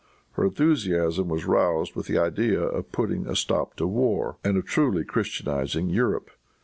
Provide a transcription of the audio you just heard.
Her enthusiasm was roused with the idea of putting a stop to war, and of truly Christianizing Europe.